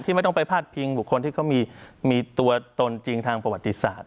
ไม่ต้องไปพาดพิงบุคคลที่เขามีตัวตนจริงทางประวัติศาสต